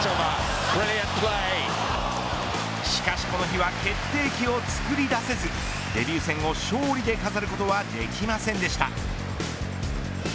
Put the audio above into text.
しかしこの日は決定機をつくり出せずデビュー戦を勝利で飾ることはできませんでした。